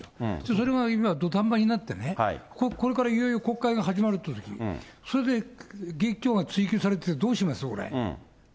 それが今、土壇場になってね、ここからいよいよ国会が始まるっていうときに、それで議長が追及されててどうします、これ。